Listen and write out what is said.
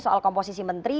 soal komposisi menteri